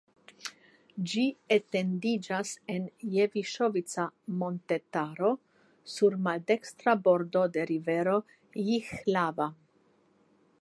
Ĝi etendiĝas en Jeviŝovica montetaro sur maldekstra bordo de rivero Jihlava.